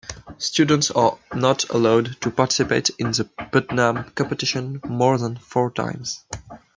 Students are not allowed to participate in the Putnam Competition more than four times.